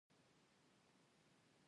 خو زیات کار هغه اندازه کار دی چې توپیر لري